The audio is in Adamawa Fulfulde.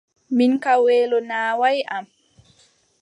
Mi kam weelo naawaay am.